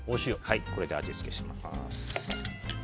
これで味付けします。